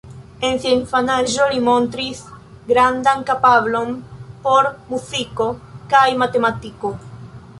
En sia infanaĝo, li montris grandan kapablon por muziko kaj matematiko.